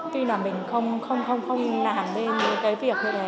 tuy là mình không làm nên cái việc như thế